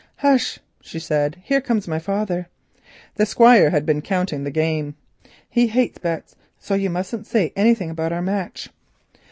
"Hush," she said, "here comes my father" (the Squire had been counting the game); "he hates bets, so you mustn't say anything about our match."